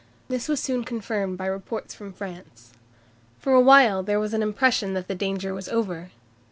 This was soon confirmed by reports from France. For a while there was an impression that the danger was over.